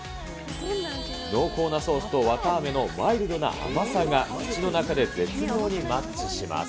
濃厚なソースと、わたあめのマイルドな甘さが口の中で絶妙にマッチします。